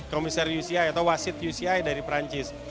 komisar uci atau wasit uci dari perancis